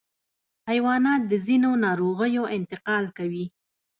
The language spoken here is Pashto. حیوانات د ځینو ناروغیو انتقال کوي.